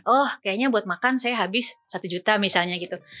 oh kayaknya buat makan saya habis satu juta misalnya gitu